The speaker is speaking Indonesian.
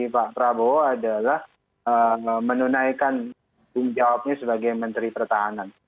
pak prabowo adalah menunaikan jawabnya sebagai menteri pertahanan